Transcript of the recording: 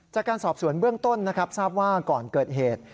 จากการสอบสวนเบื้องต้นนะครับทราบว่าก่อนเกิดเหตุ